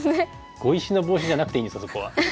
「碁石のボウシ」じゃなくていいんですかそこは。